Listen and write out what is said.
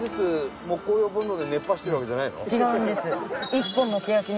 違うんです。